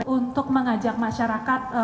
untuk mengajak masyarakat